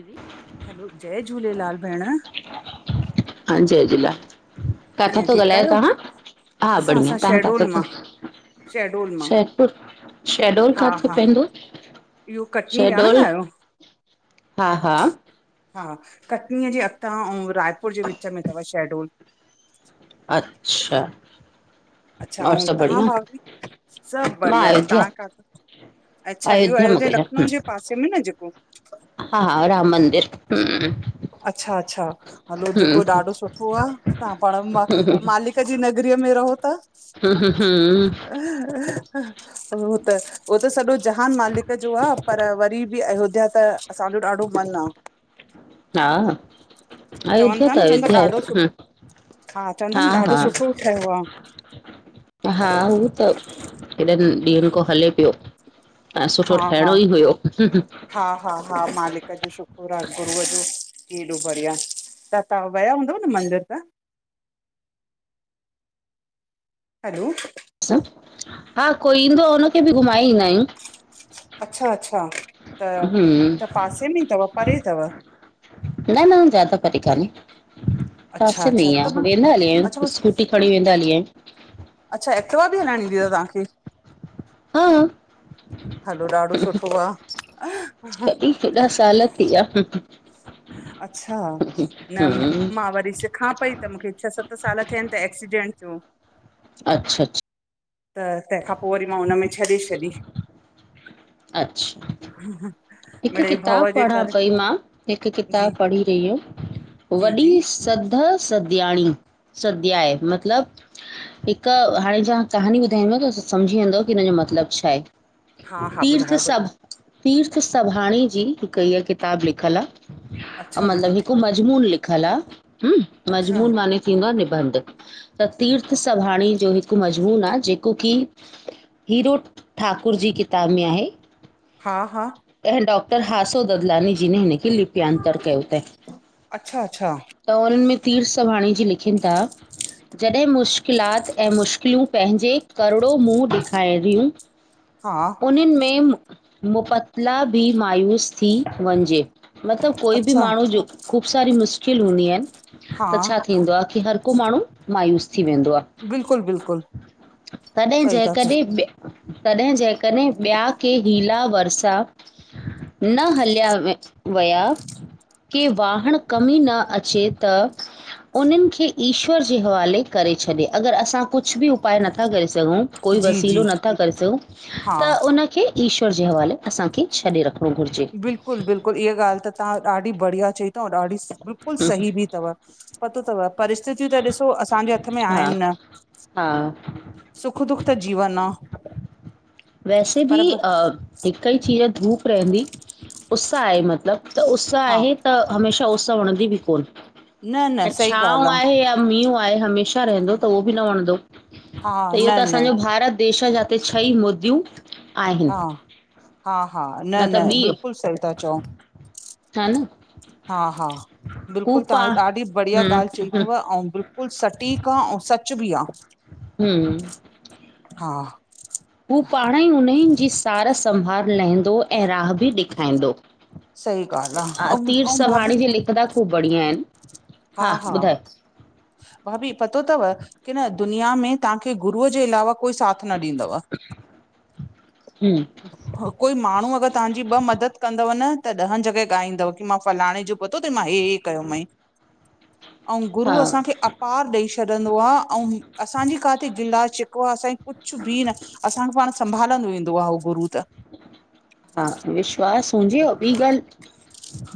जी hello, जय झूलेलाल भेण। हा, जय झूलेलाल काथो कीअं ता ठीकु ॻाल्हायो आहियो तव्हां? हा असां बढ़िया, असां तव्हां शहडोल त त मां शहडोल मां शेदपुर शेडोल काथे पइंदो? हियो कटनी ॼाणंदा आहियो? हा हा हा, कटनीअ जे अगता आऊं रायपुर जे विच में तव शेडोल। अच्छा। अच्छा और आऊं सभु तव्हां बढ़िया भाभी, सभु मां बढ़िया अयोध्या तव्हां खां था अच्छा, इहो मां अयोध्या ॻाल्हायां लखनऊ जे पासे में न जेको। हा हा। राम मंदिर हम्म। अचछा अच्छा। हलो जेको हम्म ॾाढो सुठो आ, तां पाण म मालिक जी नगरीअ में रहो था। हम्म ह हम्म ह। हु त उहो त सॼो जहान मालिक जो आ, पर वरी बि अयोध्या त असांजो ॾाढो मन आ। हा हा चवनि अयोध्या था त न चवनि था अयोध्या आहे। ॾाढो हम्म, सुठो चवनि था हा न ॾाढो हा। सुठो ठहियो आ हा हू त हेॾनि ॾींहनि खों हले पियो। ऐं सुठो हा हा ठहिणो ई हुयो। हा हा हा मालिक जो शुकुर आ, गुरूअ जो कि हेॾो बढ़िया। त तां वया हूंदव न मंदर त हलो अच्छा, हा, कोई ईंदो हुनखे बि घुमाए ईंदा आहियूं। अच्छा अच्छा, त हम्म त पासे में ई थव, परे अथव? न न उ ज्यादा परे काने, अच्छा पासे में अच्छा ई आ त मां वेंहदा हली आहिन अच्छा स्कूटी खणी वेंदा हली आहिन। अच्छा, एक्टिवा बि हलाइण ईंदी तव तहांखे? हा हलो, ॾाढो सुठो आ। हेॾा साल थी वया। अच्छा, न हम्म मा वरी सि -खां पई, त मूंखे छ सत साल थियाइन त एक्सीडेंट थियो। अच्छा अच्छा त तंहिंखां पो, वरी मां हुनमें छॾे छॾी। अच्छा हूं हूं हिक किताब पढ़ां पई मां, हिक जी किताब पढ़ी रही हम जी वॾी जी सध, सध्याणी, सध्याय मतलब हिक हाणे जा कहाणी ॿुधाईंदीमांव त सम्झी वेंदव की हिन जो मतलब छाहे? हा हा तीर्थ ॿुधायो सभ, ॿुधायो तीर्थ सभाणी जी हिक हीअ किताब लिखल आ। अच्छा मतलब हिक मजमून लिखल आ, हूं, अच्छा मजमून मानें थींदो आ निबंध, त तीर्थ सभाणी जो हिक हिक मज़मून आ, जेको की हीरो ठाकुर जी किताब में आहे। हा हा अहिं डॉक्टर हासो ददलानी जी ने हिनखे लिपियांतर कयो तैं। अच्छा अच्छा त उन्में तीर्थ संभाणी जी लिखिन था जॾहिं मुश्किलात ऐं मुश्किलूं पंहिंजे करोंड़ो मुंह ॾेखारियूं, हा उनिन में मुपतला बि मायूस थी वञजे, मतलब कोई बि अच्छा माण्हूं, जो ख़ूब सारी मुश्किल हूंदी एन हा त छा थींदो आ, की हर को माण्हूं मायूस थी वेंदो आ। बिल्कुलु बिल्कुलु तॾहिं, सही था चओ जेकॾहिं तॾहिं जे कॾहिं ॿिया के हीला वरसा न हलिया वया के वाहण कमीं न अचे त उनिन खे ईश्वर जे हवाले करे छॾे, अगर असां कुछ बि उपाय नथा करे सघूं, कोई जी वसीलो जी नथा करे सघूं, हा त उन खे ईश्वर जे हवाले, असांखे छॾे रखणो घुरजे। बिल्कुल बिल्कुल इआ ॻाल्हि तहां ॾाढ़ी बढ़िया चई तव, ॾाढ़ी बिल्कुल सही बि तव। पतो तव, परिस्थितियूं त ॾिसो असांजे हथ में हा आहिन न। हा सुख, दुख त जीवन आ। वैसे भी, अ हिक ई चीज धूप रहंदी। उस्स आहे मतलब, त उस्स हा आहे त हमेशा उस्स वणदी बि कोन। न न ऐं सही छांव ॻाल्हि आहे या मींहुं आहे, हमेशा रहिंदो आहे त उओ बि न वंणदो, हा इहो न त न असांजो भारत देश जा ते छई मुदयूं आहिन। हा हा हा, न न, बिल्कुल सही ता चओ। हा न? हा हा, हू बिल्कुल तां पा ॾाढी बढ़िया हम्म ॻाल्हि चई हम्म तव औं बिल्कुल बिल्कुल सटीक आ, औं सच बि आ। हू हा हू पाण्हंई हुनई जी सार संभाल लहिंदो ऐं राह बि ॾेखाईंदो सही ॻाल्ह आ अंउं -अंउं भाभी हिकु ॿ खूब बढ़िया हिनि, हा ॿुधायो भाभी पतो तव की न दुनिया में तहांखे गुरूअ जे अलावा कोई साथ न ॾींदव हम्म कोई माण्हूं अगरि तहांजी ॿ मदद कंदव न त ॾहनि जॻहि ॻाईंदव की मां फलाणे जो पतो तई मां हे हे कयो मंइ अंउं हा गुरु असां खे अपार ॾई छॾंदो आ अंउं असांजी काथे गिला शिकवा असांजी कुछु बि न असांखे पांण संभालंदो वेंदो आ हो गुरू त हा विश्वास हुंजे अंउं ॿी ॻाल्हि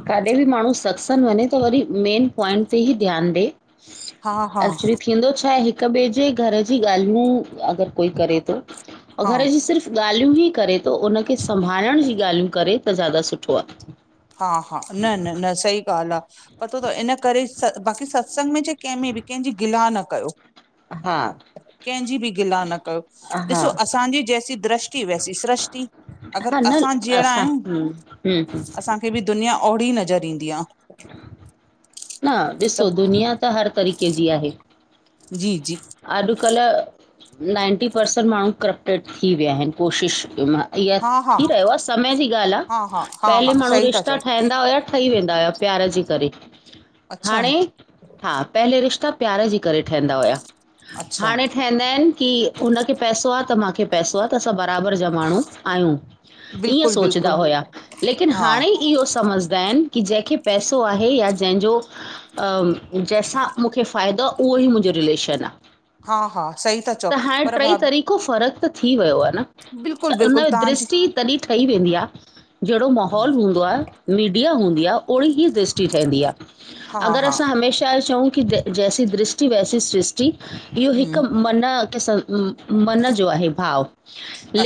काॾे बि माण्हूं सत्संग वंञें त वरी मेन प्वाइंट ते ही ध्यान ॾे हा हा एक्चुली थींदो छा हे हिक ॿिए जे घर जी ॻाल्हियूं अगरि कोई करे तो अंउं हा घर जी सिर्फ़ ॻाल्हियूं ही करे तो, उनखे संभालण जी ॻाल्हियूं करे त ज्यादा सुठो आ हा हा न न न सही ॻाल्हि आ पतो तव इन्ह करे बाक़ी सत्संग में चाए कंहिंमें बि कंहिंजी गिल्हा न कयो हा। कंहिंजी बि गिल्हा न कयो। हा ॾिसो असांजी जैसी दृष्टि वैसी सृष्टि अगरि असां जहिड़ा आहियूं हु हुं असांखे बि दुनिया ओड़ी नज़र ईंदी आ न ॾिसो दुनिया त हर तरीक़े जी आहे जी -जी ऐं अॼुकल्ह नाइंटी परसेंट माण्हूं करप्ट टेड थी विया हिनि कोशिशि कि मां इह्या हा हा थी रहियो आ समय जी ॻाल्हि आ हा हा हा हा पहिले माण्हूं सही ता रिश्ता चओ ठहंदा हुया ठही वेंदा हुया प्यार जे करे, अच्छा हाणें हा पहिले रिश्ता प्यार जे करे ठहिंदा हुया अच्छा हाणें ठंहिंदा इनि की हुन खे पैसो आ त माखे पैसो आ असां त बराबरि जा हा माण्हूं आहियूं ईअं बिल्कुलु सोचदा बिल्कुलु हुया लेकिन हा हाणे इह्यो समझदा इनि की जंहिंखे पैसो आहे या जंहिंजो अं जंहिंसां मूंखे फ़ायदो आ उहोई मुंजो रिलेशन आ हा हा सही ता चओ पर भाभी पको फ़र्क त थी वयो आ न बिल्कुलु त उन बिल्कुलु तव्हांजी दृष्टि तॾीहिं ठही वेंदी आ जहिड़ो हा माहौल हूंदो आहे मीडिआ हूंदी आ ओड़ी ही दृष्टि ठहंदी आ हा अगरि हा असां हमेशा चऊं कि द जैसी दृष्टि वैसी सृष्टि इह्यो हिकु हम्म मन खे सं मन जो आहे भाव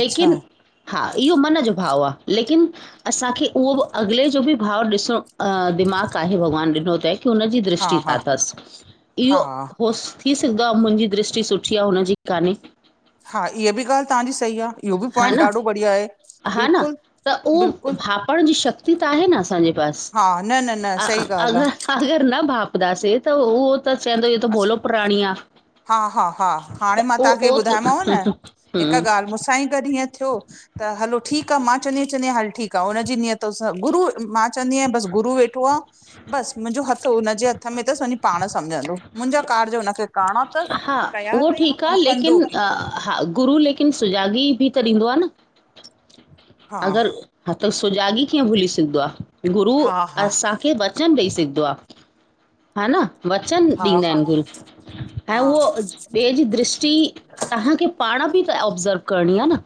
अच्छा हा इह्यो मन जो भाव आ लेकिन असांखे उहो बि अॻिले जो बि भाव ॾिसणो, अ दिमाग़ु आहे भॻवानु ॾिनो तईं की हुनजी हा दृष्टि छा हा थसि इह्यो हा होसि दव मुंजी दृष्टि सुठी आ हुनजी कान्हे हा इह्य बि ॻाल्हि तहांजी सही आ इहो बि हा पॉइंट न, ॾाढो बढ़िया आहे हा न बिल्कुल त उहो बिल्कुल भांपण जी शक्ति त आहे न असांजे पास हा न न न सही ॻाल्हि आ अअगरि अगरि न भांपदासे त उहो त चइंदो इह्यो त अस भोलो प्राणी आ हा हा हा हाणे मां उहो तव्हांखे उहो ॿुधायोमांव न त हिकु हा ॻाल्ह मूंसां ई गॾु ईएंं थियो। त हलो ठीक आहे चंदीयां चंदी आय हल ठीक आहे हुनजीनियत गुरु मां चवंदी आहियां बि गुररु वेठा - - ठो बस मुंहिंजो हथ हुनजे हथ में अथस वञी पाण सम्झंदो मुंहिंजा कारज हुनखे - - हा उहो ठीक आ कंदो लेकिन बि अ - - हा गुरु लेकिन सुजाॻी बि त ॾींदो आहे न हा अगर - - हथ सुजाॻी कीअं भुली सघंदो आहे गुरू हा हा अस - - खे वचन ॾेई सघंदो आहे हा न वचन हा ॾींदा हा आहिन गुरू - - ऐं हा उहो ॿिए जी दृष्टि तव्हांखे पाण बि ऑब्ज़र्व करणी आहे न।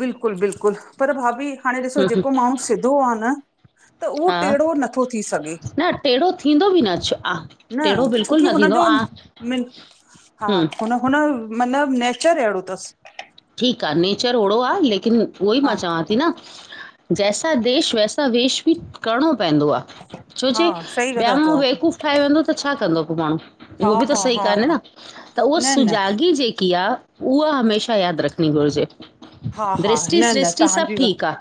बिल्कुल बिल्कुल पर भाभी हाणे ॾिसो जेको माण्हू सिधो आहे न - - त उहो हा टेढ़ो नथो थी सघे। न टेढ़ो थींदो बि न आ न टेढ़ो छोकी बिल्कुल न थींदो। हुनजो मिन हा हम्म हुन हुन मतलब नेचर अहिड़ो अथस। ठीक आ नेचर ओड़ो आहे लेकिन उहो ई हा मां चवां थी न - जैसा देश वैसा वेश बि करिणो पवंदो आ। छो हा जे सही ॿिया था माण्हू चओ बेवकूफ़ ठाहे वेंदो त छा कंदो को माण्हू। हा उहो बि त हा सही हा कन्हे हा न त उहा न न सुजाॻी जेकी आहे उहा हमेशह। यादि रखणी घुरिजे हा हा दृष्टि न न सृष्टि सभ तव्हांजी ठीक ॻाल्हि आ।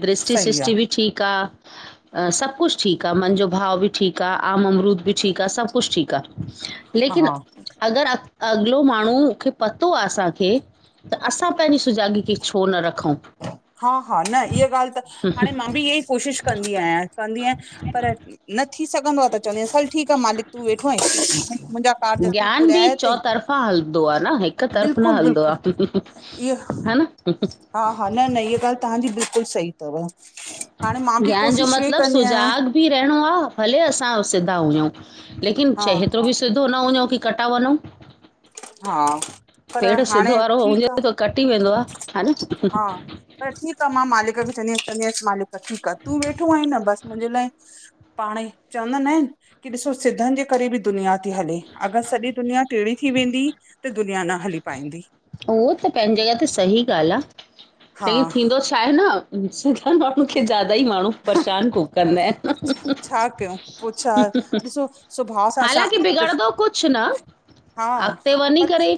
दृष्टि सही आ सृष्टि बि ठीक आ। सभु कुझु ठीक आ मन जो भाव बि ठीक आ आम अमरूद बि ठीक आहे सभ कुझ ठीक आ। लेकिन हा अगर अॻिलो माण्हू खे पतो आहे असांखे - - त असां पंहिंजी सुजाॻी खे छो न रखूं। हा हा न इहा ॻाल्ह त हाणे मां बि इहे ई कोशिश कंदी आहियां कंदी आहियां। पर न थी सघंदो आहे त चवंदी सल ठीक आ मालिक तूं वेठो आहीं मुंहिंजा। कार्ज तूं ज्ञान बि पुराया चौ अथई तरफ़ा हलंदो आहे न हिक तरफ़ो न बिल्कुलु हलंदो बिल्कुलु आहे इहो हा न। ह - - हा हा न न हीअ ॻाल्ह तव्हांजी बिल्कुल सही अथव हाणे मां बि कोशिश इह ई कंदी आहियां। र भले असांधाेतो। हा सिधो न वञो की कटा वञूं हा पर पे सिध हाणे वारो हुजे ठीकु आहे थो। कटी वेंदो आहे हा नी। हा पर ठीक आहे मां मालिका बि त अनीस मालिक। त ठीक आहे तूं वेठो आहीं न बसि मुंहिंजे लाइ। पाण ई चवंदा आहिन की ॾिसो सिधन जे करे बि दुनिया। हले अगर सॼी दुनिया टीणी थी वेंदी त दुनिया न हली पाईंदी। उहो त पंहिंजी जॻह ते सही ॻाल्ह आ हा लेकिन थींदो। छा आहे न स माण्हू खे ज्यादा ई माण्हू। परेशान कुक न छा कयूं पोइ छा ॾिसो सुभाउ सां असां हालाकी बिगड़ंदो। कुझ न हा अॻिते वञी पत करे।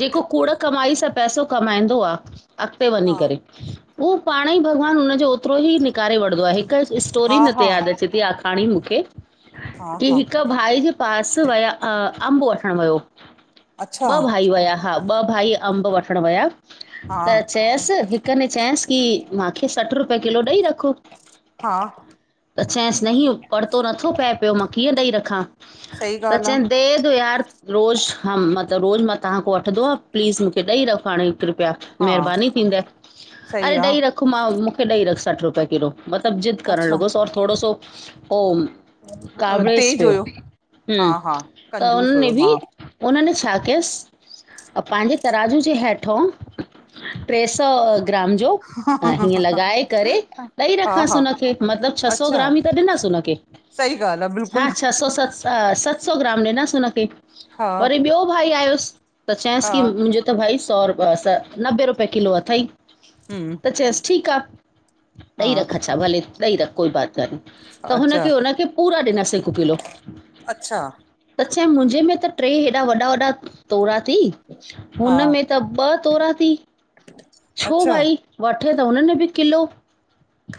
जेको कूड़ कमाई सां पैसो कमाईंदो आहे अॻते वञी हा करे। उहो पाणे ई भॻवानु हुनजो ओतिरो ई निकारे वठंदो आहे हिकु हा स्टोरी न ते हा यादि अचे थी आख़िर। हाणी मूंखे हा हा की। ॿ भाई जे पास विया अमब वठण वियो अच्छा ॿ भाई विया। हा ॿ भाई अमब वठणु विया हा त चयस - - हिक न चयाांस की मूंखे सठि रुपये किलो ॾेई रखो। हा - - त चांंसि नह परतो नथो पए पियो मां कीअं ॾेई रखां। सही त ॻाल्हि आ, चेन दे दो यार। रोज़ हा मांत तबु रोज़ मां तव्हांख वठंदो आ प्लीज़ मूंखे ॾेई रख हाणे ई कृपया हा महिरबानी थींदई सही अरे आ, ॾेई रख मां मूंखे ॾेई रख सठि रुपिया किलो। मतिलब ज़िद करण अच्छा लॻोस और थोड़ो सो हो कावड़ेस तेज पियो हुयो हा हम, हा त हुन कंजूस हुयो में बि हा हुनननि छा कयसि, पंहिंजे तराजू जे हेठो [inaudible] ट्रे सौ ग्राम जो अ हीअं लॻाए करे ॾेई हा रखांसि हा हुनखे। मतिलबु छह सौ अच्छा ग्राम ई त ॾिनसि हुनखे। सही ॻाल् आ हा बिल्कुल। छह सौ सत त सत सौ ग्राम ॾिनसि हुनखे हा वरी ॿियो भाई आयुसि त हा चयसि की मुंहिंजो त भई सौ रुप नबे रुपए किलो अथई। हम्म त चस ठीकु आ। हा ॾेई रख अच्छा भले ॾई रख कोई बात काने। त अच्छा हुनखे हुनखे पूरा ॾिनासीं हिकु किलो। अच्छा त छा मुंहिंजे में त टे हेॾा वॾा वॾा तोरा थी हा हुनमें त ॿ तोरा थी छो अच्छा भाई? वठे त हुननि बि किलो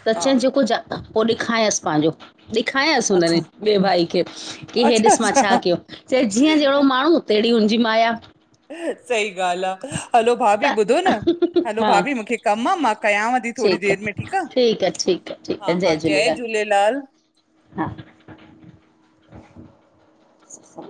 त हा चई जेको ज पो ॾेखायांसि पंहिंजो। ॾेखारियांसि अच्छा हुननि ॿिए भाई खे की इह अच्छा ॾिस मां छा अच्छा कयो चए जीअं जहिड़ो माण्हू तहिड़ी हुनजी माया। सही ॻाल्हि आ। हलो भाभी त ॿुधो न हलो हा भाभी मूंखे कमु आ मां कयांव थी थोरी ठीकु देरि में आहे, ठीकु आ आहे, ठीकु आहे, ठीकु हा आहे, हा जय झूलेलाल झूलेलाल। हा। हा [inaudible]